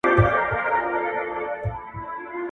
نور به هر څه خاوری کېږی خو زما مینه به پاتېږی !.